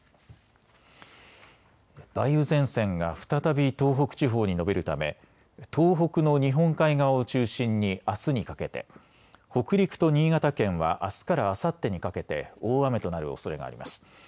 梅雨前線が再び東北地方に延びるため東北の日本海側を中心にあすにかけて、北陸と新潟県はあすからあさってにかけて大雨となるおそれがあります。